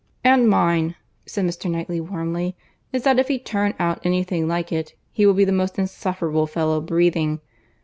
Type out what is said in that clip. "And mine," said Mr. Knightley warmly, "is, that if he turn out any thing like it, he will be the most insufferable fellow breathing!